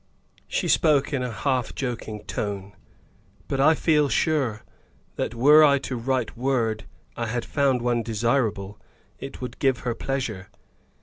She spoke in a half joking tone, but I feel sure that were I to write word I had found one desirable, it would give her pleasure.